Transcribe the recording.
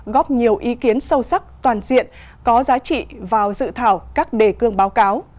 góp nhiều ý kiến sâu sắc toàn diện có giá trị vào dự thảo các đề cương báo cáo